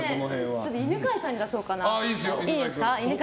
犬飼さんに出そうかな。